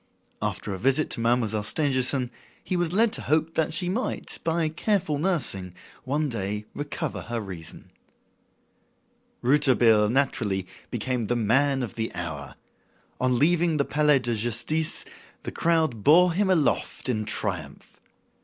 After a visit to Mademoiselle Stangerson, he was led to hope that she might, by careful nursing, one day recover her reason. Rouletabille, naturally, became the "man of the hour." On leaving the Palais de Justice, the crowd bore him aloft in triumph.